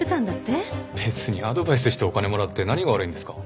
別にアドバイスしてお金もらって何が悪いんですか？